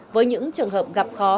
với những trường hợp gặp khó